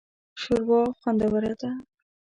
شوروا خوندوره ده